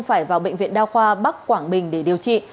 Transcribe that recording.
phải vào bệnh viện đa khoa bắc quảng bình để điều trị